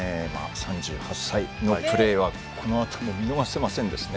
３８歳のプレーはこのあとも見逃せませんね。